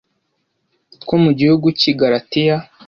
two mu gihugu cy i Galatiya